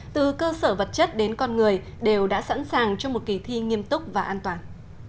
từ cơ sở vật chất đến con người đều đã sẵn sàng cho một kỳ thi nghiêm túc và an toàn